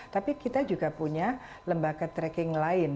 tapi kita juga punya lembaga tracking lain